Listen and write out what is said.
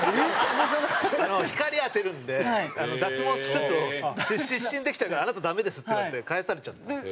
光当てるんで「脱毛すると湿疹できちゃうからあなたダメです」って言われて帰されちゃったんですよ。